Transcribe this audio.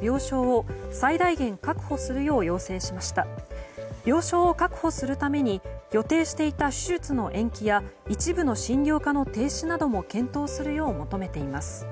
病床を確保するために予定していた手術の延期や一部の診療科の停止なども検討するよう求めています。